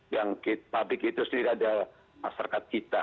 yang publik itu sendiri adalah masyarakat kita